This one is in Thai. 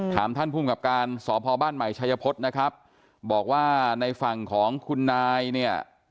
ท่านภูมิกับการสพบ้านใหม่ชัยพฤษนะครับบอกว่าในฝั่งของคุณนายเนี่ย